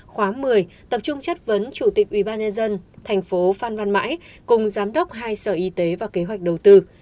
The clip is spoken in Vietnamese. khóa một mươi tập trung chất vấn chủ tịch ubnd tp phan văn mãi cùng giám đốc hai sở y tế và kế hoạch đầu tư